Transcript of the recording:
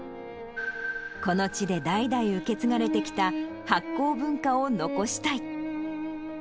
この地で代々、受け継がれてきた発酵文化を残したい。